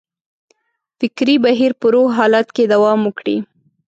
فکري بهیر په روغ حالت کې دوام وکړي.